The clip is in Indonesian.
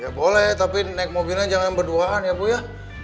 ya boleh tapi naik mobilnya jangan berduaan ya bu ya